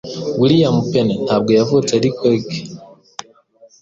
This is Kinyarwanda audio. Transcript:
William Penn ntabwo yavutse ari Quaker.